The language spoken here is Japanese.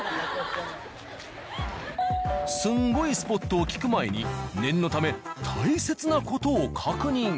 スンゴイスポットを聞く前に念のため大切な事を確認。